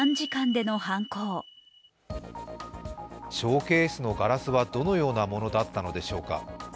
ショーケースのガラスはどのようなものだったのでしょうか。